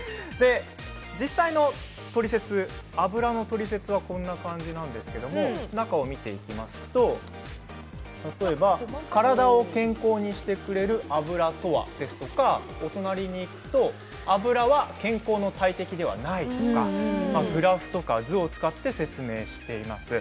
実際のトリセツアブラのトリセツはこんな感じなんですけれども中を見ていきますと例えば体を健康にしてくれるアブラとは、ですとかお隣にいくとアブラは健康の大敵ではないとかグラフや図を使って説明しています。